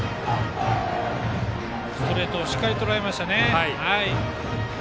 ストレートをしっかりとらえましたね。